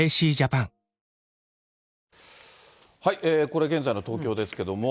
これ、現在の東京ですけれども。